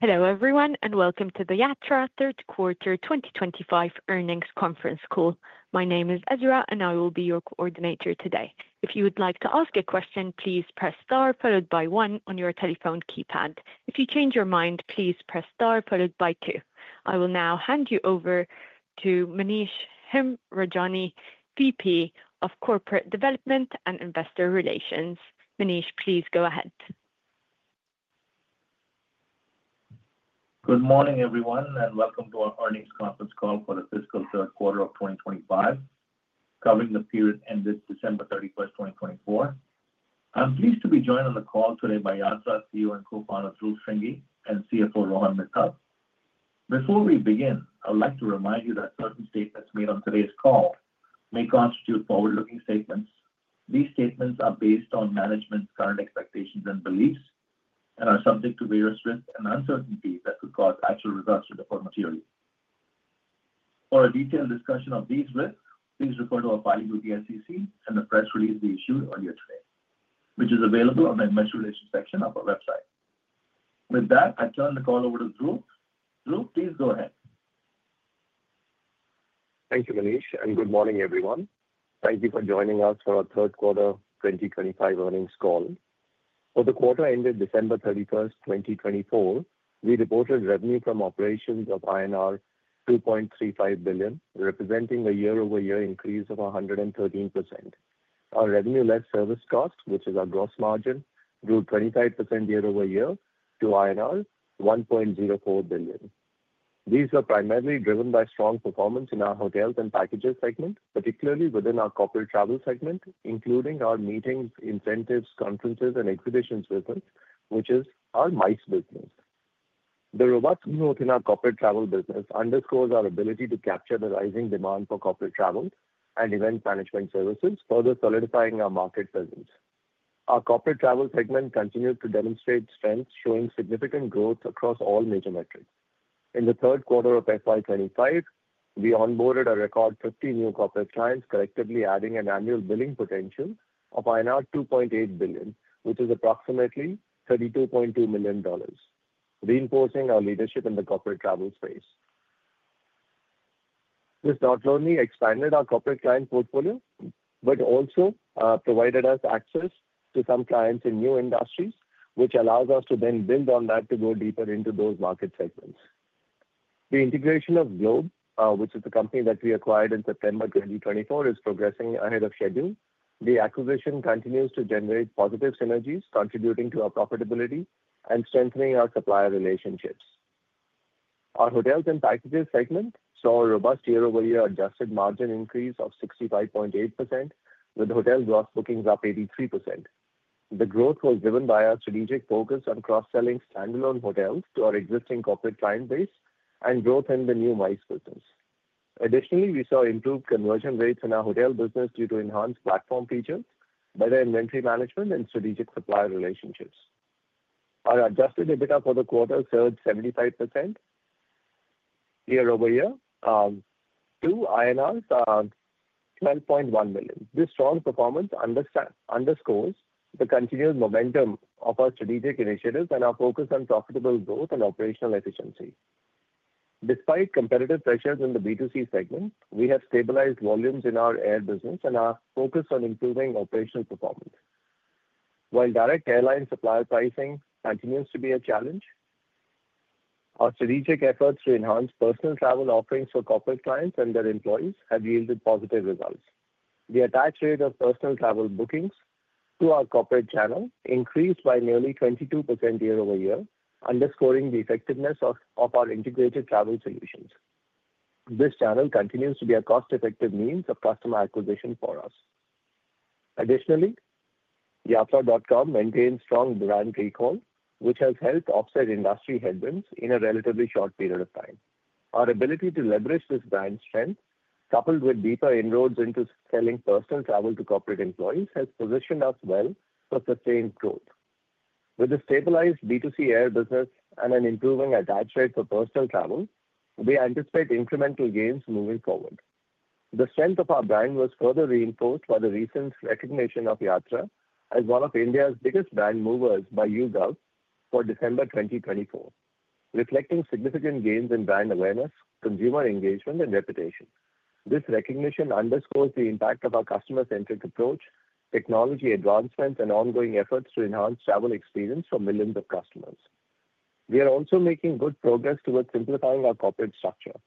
Hello everyone and welcome to the Yatra Q3 2025 Earnings Conference Call. My name is Ezra and I will be your coordinator today. If you would like to ask a question, please press star followed by one on your telephone keypad. If you change your mind, please press star followed by two. I will now hand you over to Manish Hemrajani, VP of Corporate Development and Investor Relations. Manish, please go ahead. Good morning everyone and welcome to our Earnings Conference Call for the Fiscal Q3 of 2025, covering the period ended December 31, 2024. I'm pleased to be joined on the call today by Yatra CEO and Co-Founder Dhruv Shringi and CFO Rohan Mittal. Before we begin, I would like to remind you that certain statements made on today's call may constitute forward-looking statements. These statements are based on management's current expectations and beliefs and are subject to various risks and uncertainties that could cause actual results to differ materially. For a detailed discussion of these risks, please refer to our filing with the SEC and the press release we issued earlier today, which is available on the investor relations section of our website. With that, I turn the call over to Dhruv. Dhruv, please go ahead. Thank you, Manish, and good morning everyone. Thank you for joining us for our Q3 2025 earnings call. For the quarter ended December 31, 2024, we reported revenue from operations of INR 2.35 billion, representing a year-over-year increase of 113%. Our revenue less service costs, which is our gross margin, grew 25% year-over-year to INR 1.04 billion. These were primarily driven by strong performance in our Hotels and Packages segment, particularly within our Corporate Travel segment, including our meetings, incentives, conferences, and exhibitions business, which is our MICE business. The robust growth in our Corporate Travel business underscores our ability to capture the rising demand for corporate travel and event management services, further solidifying our market presence. Our Corporate Travel segment continues to demonstrate strength, showing significant growth across all major metrics. In the Q3 of FY25, we onboarded a record 50 new corporate clients, collectively adding an annual billing potential of INR 2.8 billion, which is approximately $32.2 million, reinforcing our leadership in the corporate travel space. This not only expanded our corporate client portfolio, but also provided us access to some clients in new industries, which allows us to then build on that to go deeper into those market segments. The integration of Globe, which is the company that we acquired in September 2024, is progressing ahead of schedule. The acquisition continues to generate positive synergies, contributing to our profitability and strengthening our supplier relationships. Our Hotels and Packages segment saw a robust year-over-year adjusted margin increase of 65.8%, with hotel gross bookings up 83%. The growth was driven by our strategic focus on cross-selling standalone hotels to our existing corporate client base and growth in the new MICE business. Additionally, we saw improved conversion rates in our hotel business due to enhanced platform features, better inventory management, and strategic supplier relationships. Our adjusted EBITDA for the quarter surged 75% year-over-year to INR 12.1 million. This strong performance underscores the continued momentum of our strategic initiatives and our focus on profitable growth and operational efficiency. Despite competitive pressures in the B2C segment, we have stabilized volumes in our air business and are focused on improving operational performance. While direct airline supplier pricing continues to be a challenge, our strategic efforts to enhance personal travel offerings for corporate clients and their employees have yielded positive results. The attach rate of personal travel bookings to our corporate channel increased by nearly 22% year-over-year, underscoring the effectiveness of our integrated travel solutions. This channel continues to be a cost-effective means of customer acquisition for us. Additionally, Yatra.com maintains strong brand recall, which has helped offset industry headwinds in a relatively short period of time. Our ability to leverage this brand strength, coupled with deeper inroads into selling personal travel to corporate employees, has positioned us well for sustained growth. With the stabilized B2C air business and an improving attache rate for personal travel, we anticipate incremental gains moving forward. The strength of our brand was further reinforced by the recent recognition of Yatra as one of India's biggest brand movers by YouGov for December 2024, reflecting significant gains in brand awareness, consumer engagement, and reputation. This recognition underscores the impact of our customer-centric approach, technology advancements, and ongoing efforts to enhance travel experience for millions of customers. We are also making good progress towards simplifying our corporate structure.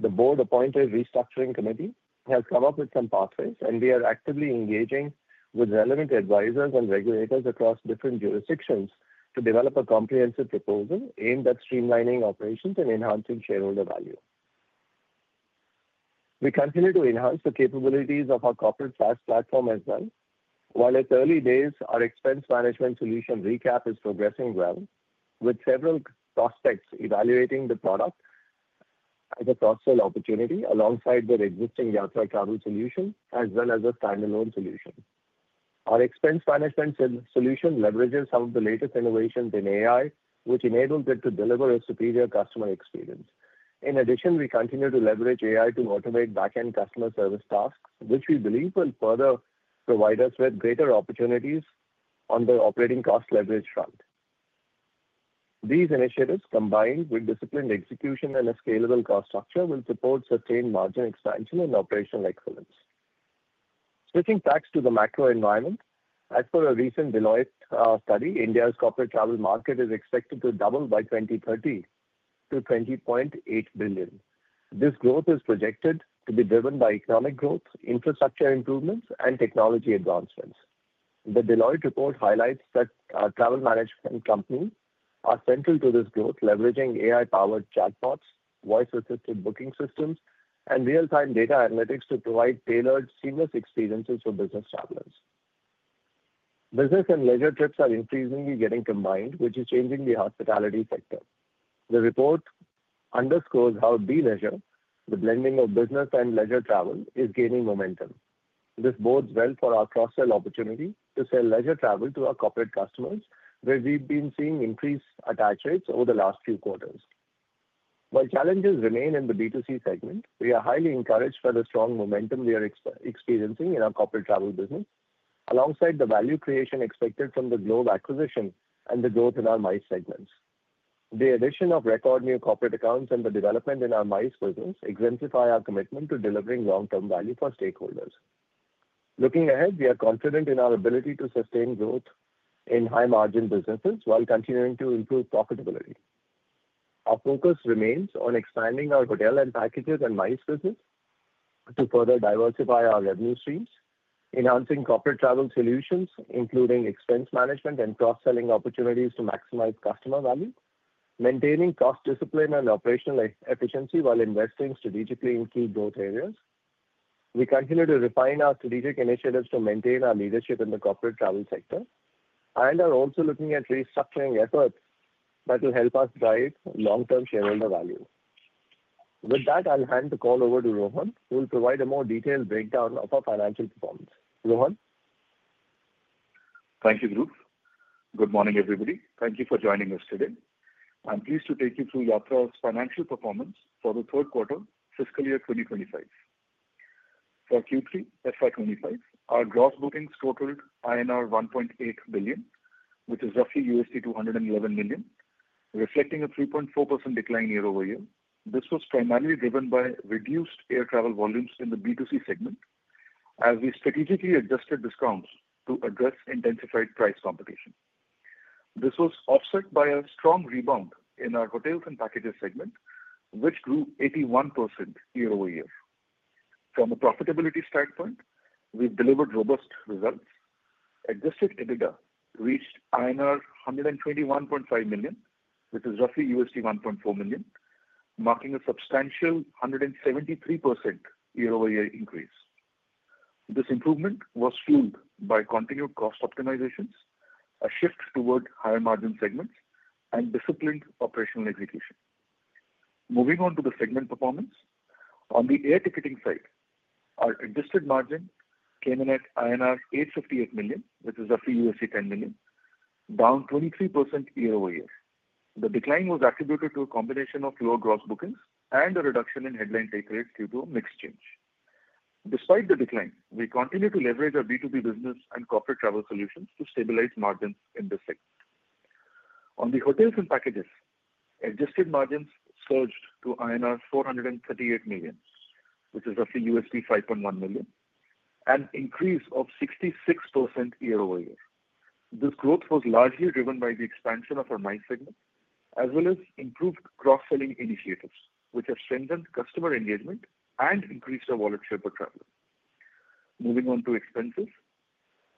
The board-appointed restructuring committee has come up with some pathways, and we are actively engaging with relevant advisors and regulators across different jurisdictions to develop a comprehensive proposal aimed at streamlining operations and enhancing shareholder value. We continue to enhance the capabilities of our corporate SaaS platform as well. While it's early days, our expense management solution RECAP is progressing well, with several prospects evaluating the product as a cross-sell opportunity alongside their existing Yatra travel solution, as well as a standalone solution. Our expense management solution leverages some of the latest innovations in AI, which enables it to deliver a superior customer experience. In addition, we continue to leverage AI to automate back-end customer service tasks, which we believe will further provide us with greater opportunities on the operating cost leverage front. These initiatives, combined with disciplined execution and a scalable cost structure, will support sustained margin expansion and operational excellence. Switching back to the macro environment, as per a recent Deloitte study, India's corporate travel market is expected to double by 2030 to 20.8 billion. This growth is projected to be driven by economic growth, infrastructure improvements, and technology advancements. The Deloitte report highlights that travel management companies are central to this growth, leveraging AI-powered chatbots, voice-assisted booking systems, and real-time data analytics to provide tailored, seamless experiences for business travelers. Business and leisure trips are increasingly getting combined, which is changing the hospitality sector. The report underscores how bleisure, the blending of business and leisure travel, is gaining momentum. This bodes well for our cross-sell opportunity to sell leisure travel to our corporate customers, where we've been seeing increased attach rates over the last few quarters. While challenges remain in the B2C segment, we are highly encouraged by the strong momentum we are experiencing in our corporate travel business, alongside the value creation expected from the Globe acquisition and the growth in our MICE segments. The addition of record new corporate accounts and the development in our MICE business exemplify our commitment to delivering long-term value for stakeholders. Looking ahead, we are confident in our ability to sustain growth in high-margin businesses while continuing to improve profitability. Our focus remains on expanding our Hotels and Packages and MICE business to further diversify our revenue streams, enhancing Corporate Travel solutions, including expense management and cross-selling opportunities to maximize customer value, maintaining cost discipline and operational efficiency while investing strategically in key growth areas. We continue to refine our strategic initiatives to maintain our leadership in the Corporate Travel sector and are also looking at restructuring efforts that will help us drive long-term shareholder value. With that, I'll hand the call over to Rohan, who will provide a more detailed breakdown of our financial performance. Rohan. Thank you, Dhruv. Good morning, everybody. Thank you for joining us today. I'm pleased to take you through Yatra's financial performance for the Q3, FY 2025. For Q3, FY25, our gross bookings totaled INR 1.8 billion, which is roughly $211 million, reflecting a 3.4% decline year-over-year. This was primarily driven by reduced air travel volumes in the B2C segment as we strategically adjusted discounts to address intensified price competition. This was offset by a strong rebound in our Hotels and Packages segment, which grew 81% year-over-year. From a profitability standpoint, we've delivered robust results. Adjusted EBITDA reached INR 121.5 million, which is roughly $1.4 million, marking a substantial 173% year-over-year increase. This improvement was fueled by continued cost optimizations, a shift toward higher margin segments, and disciplined operational execution. Moving on to the segment performance, on the air ticketing side, our adjusted margin came in at INR 858 million, which is roughly $10 million, down 23% year-over-year. The decline was attributed to a combination of low gross bookings and a reduction in headline take rates due to a mix change. Despite the decline, we continue to leverage our B2B business and corporate travel solutions to stabilize margins in this segment. On the Hotels and Packages, adjusted margins surged to INR 438 million, which is roughly $5.1 million, an increase of 66% year-over-year. This growth was largely driven by the expansion of our MICE segment, as well as improved cross-selling initiatives, which have strengthened customer engagement and increased our voluntary travel. Moving on to expenses,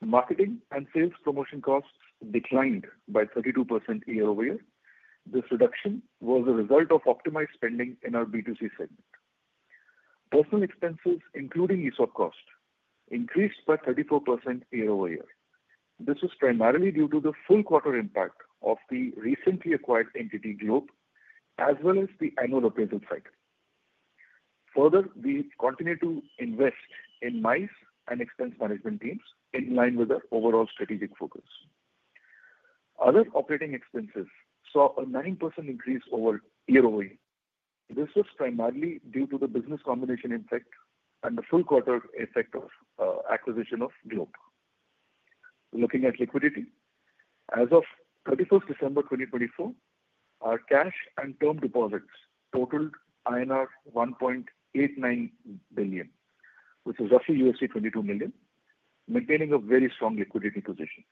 marketing and sales promotion costs declined by 32% year-over-year. This reduction was a result of optimized spending in our B2C segment. Personal expenses, including ESOP cost, increased by 34% year-over-year. This was primarily due to the full quarter impact of the recently acquired entity Globe, as well as the annual appraisal cycle. Further, we continue to invest in MICE and expense management teams in line with our overall strategic focus. Other operating expenses saw a 9% increase year-over-year. This was primarily due to the business combination effect and the full quarter effect of acquisition of Globe. Looking at liquidity, as of 31st December 2024, our cash and term deposits totaled INR 1.89 billion, which is roughly $22 million, maintaining a very strong liquidity position.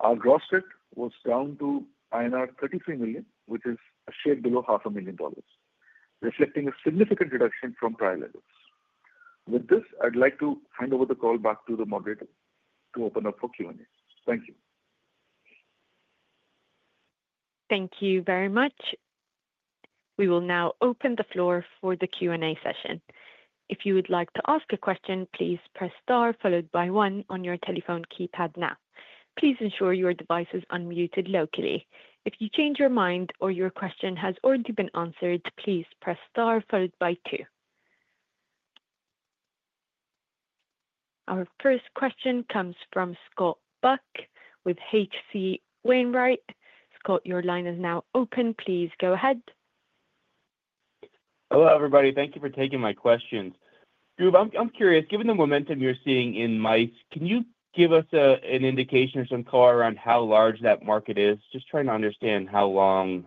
Our gross debt was down to INR 33 million, which is a shade below $500,000, reflecting a significant reduction from prior levels. With this, I'd like to hand over the call back to the moderator to open up for Q&A. Thank you. Thank you very much. We will now open the floor for the Q&A session. If you would like to ask a question, please press star followed by one on your telephone keypad now. Please ensure your device is unmuted locally. If you change your mind or your question has already been answered, please press star followed by two. Our first question comes from Scott Buck with HC Wainwright. Scott, your line is now open. Please go ahead. Hello, everybody. Thank you for taking my questions. Dhruv, I'm curious, given the momentum you're seeing in MICE, can you give us an indication or some color around how large that market is? Just trying to understand how long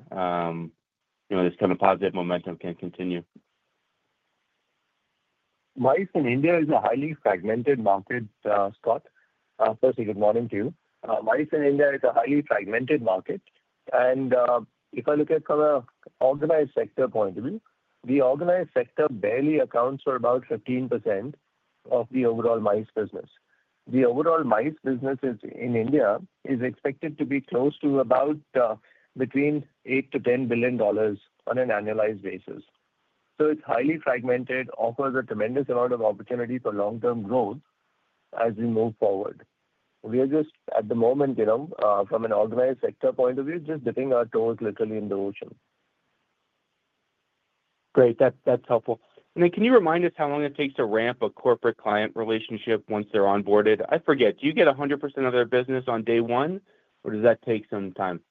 this kind of positive momentum can continue. MICE in India is a highly fragmented market, Scott. Firstly, good morning to you. MICE in India is a highly fragmented market. If I look at it from an organized sector point of view, the organized sector barely accounts for about 15% of the overall MICE business. The overall MICE business in India is expected to be close to about $8 billion-$10 billion on an annualized basis. It is highly fragmented, offers a tremendous amount of opportunity for long-term growth as we move forward. We are just, at the moment, from an organized sector point of view, just dipping our toes literally in the ocean. Great. That's helpful. Can you remind us how long it takes to ramp a corporate client relationship once they're onboarded? I forget. Do you get 100% of their business on day one, or does that take some time?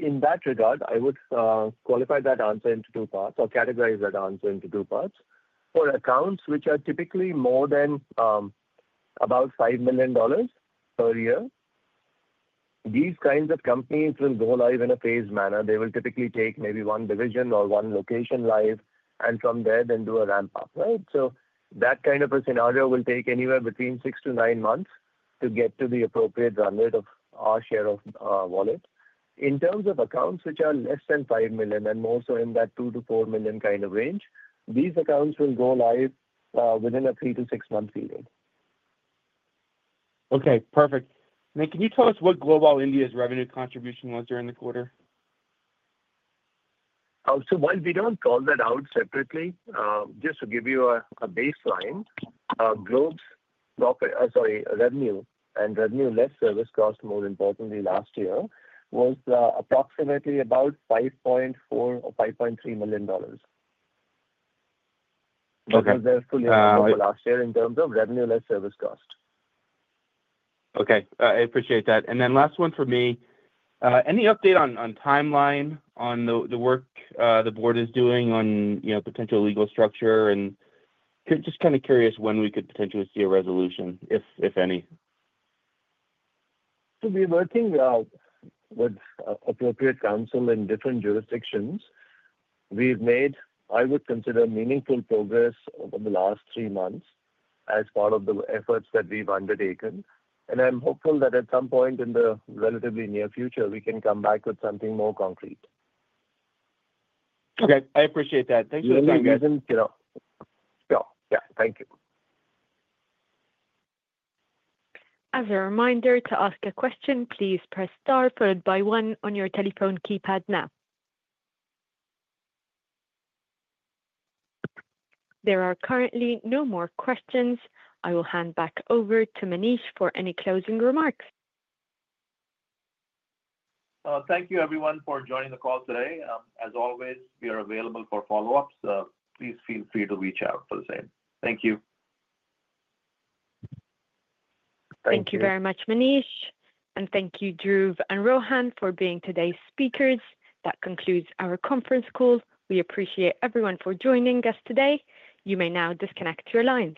In that regard, I would qualify that answer into two parts or categorize that answer into two parts. For accounts which are typically more than about $5 million per year, these kinds of companies will go live in a phased manner. They will typically take maybe one division or one location live, and from there then do a ramp-up, right? That kind of a scenario will take anywhere between six to nine months to get to the appropriate run rate of our share of wallet. In terms of accounts which are less than $5 million and more so in that $2 million-$4 million kind of range, these accounts will go live within a three to six-month period. Okay. Perfect. Can you tell us what Globe India's revenue contribution was during the quarter? While we don't call that out separately, just to give you a baseline, Globe's revenue and revenue less service cost, more importantly last year, was approximately about $5.4 million or $5.3 million. Okay. Because they're fully accountable last year in terms of revenue less service cost. Okay. I appreciate that. Last one for me. Any update on timeline on the work the board is doing on potential legal structure? Just kind of curious when we could potentially see a resolution, if any. We're working with appropriate counsel in different jurisdictions. I've made, I would consider, meaningful progress over the last three months as part of the efforts that we've undertaken. I'm hopeful that at some point in the relatively near future, we can come back with something more concrete. Okay. I appreciate that. Thanks for the time, guys. Yeah. Thank you. As a reminder, to ask a question, please press star followed by one on your telephone keypad now. There are currently no more questions. I will hand back over to Manish for any closing remarks. Thank you, everyone, for joining the call today. As always, we are available for follow-ups. Please feel free to reach out for the same. Thank you. Thank you very much, Manish. Thank you, Dhruv and Rohan, for being today's speakers. That concludes our conference call. We appreciate everyone for joining us today. You may now disconnect your lines.